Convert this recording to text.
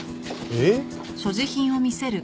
えっ？